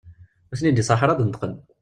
Ur ten-id-iṣaḥ ara ad d-neṭqen.